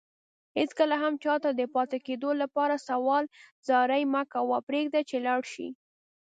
هيڅ کله هم چاته دپاتي کيدو لپاره سوال زاری مکوه پريږده چي لاړشي